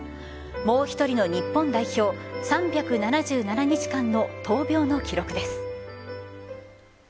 もう１人の日本代表３７７日間の闘病の記録です。